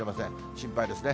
心配ですね。